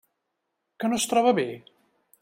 Que no es troba bé?